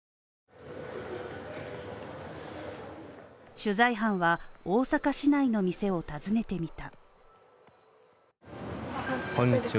取材班は、大阪市内の店を訪ねてみた。